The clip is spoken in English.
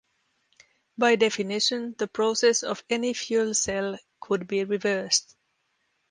By definition, the process of any fuel cell could be reversed.